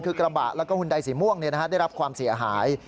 คือกระบะแล้วก็หุ่นใดสีม่วงได้รับความเสียหาย